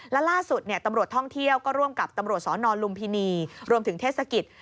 และล่าสุดตำรวจท่องเที่ยวก็ร่วมกับตำรวจสนลุมพินีรวมถึงเทศกิจ